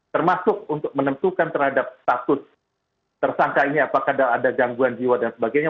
termasuk untuk menentukan terhadap status tersangka ini apakah ada gangguan jiwa dan sebagainya